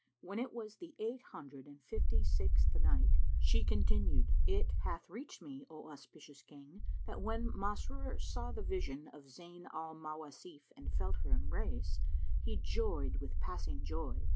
When it was the Eight Hundred and Fifty sixth Night, She continued, It hath reached me, O auspicious King, that when Masrur saw the vision of Zayn al Mawasif and felt her embrace, he joyed with passing joy.